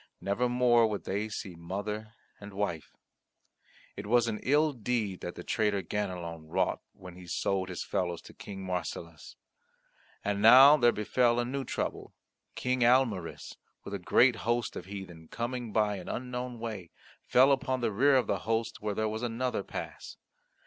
Never more would they see mother and wife. It was an ill deed that the traitor Ganelon wrought when he sold his fellows to King Marsilas! And now there befell a new trouble. King Almaris, with a great host of heathen, coming by an unknown way, fell upon the rear of the host where there was another pass.